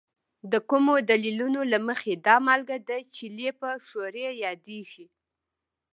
د کومو دلیلونو له مخې دا مالګه د چیلي په ښورې یادیږي؟